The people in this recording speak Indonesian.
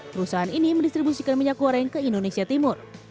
perusahaan ini mendistribusikan minyak goreng ke indonesia timur